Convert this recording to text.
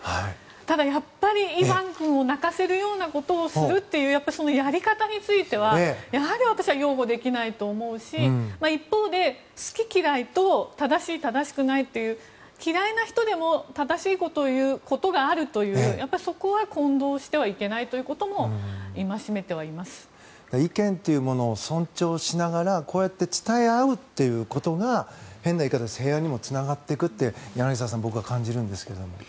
ただ、やっぱりイバン君を泣かせるようなことをするというそのやり方についてはやはり私は擁護できないと思うし一方で好き嫌いと正しい、正しくないという嫌いな人でも正しいことを言うことがあるというそこは混同してはいけないということも戒めてはいます。意見というものを尊重しながらこうやって伝え合うということが変な言い方で平和にもつながっていくって柳澤さん僕は感じるんですけども。